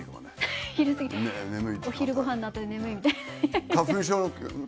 お昼ごはんのあとで眠いみたいな。